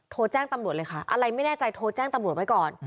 โทรแจ้งตำรวจเลยค่ะอะไรไม่แน่ใจโทรแจ้งตำรวจไว้ก่อน